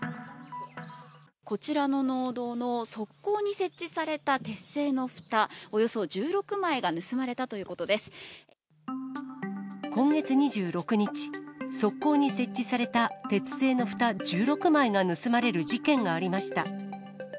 こちらの農道の側溝に設置された鉄製のふた、およそ１６枚が今月２６日、側溝に設置された鉄製のふた１６枚が盗まれる事件がありました。